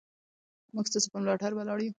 موږ ستاسو په ملاتړ ولاړ یو.